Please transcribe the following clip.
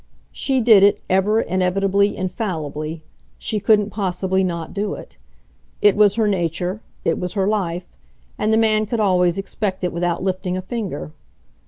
She did it, ever, inevitably, infallibly she couldn't possibly not do it. It was her nature, it was her life, and the man could always expect it without lifting a finger.